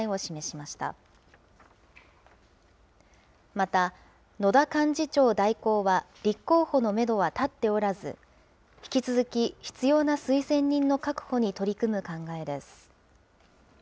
また、野田幹事長代行は立候補のメドは立っておらず、引き続き必要な推薦人の確保に取り組む考えです。